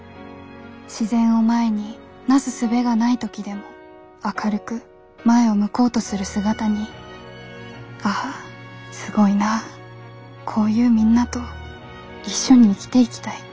自然を前になすすべがない時でも明るく前を向こうとする姿に『ああすごいな。こういうみんなと一緒に生きていきたい』